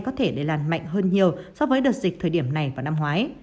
có thể lây lan mạnh hơn nhiều so với đợt dịch thời điểm này vào năm ngoái